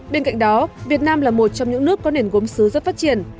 bên cạnh đó việt nam là một trong những nước có nền gốm xứ rất phát triển